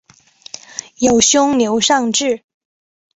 有兄刘尚质。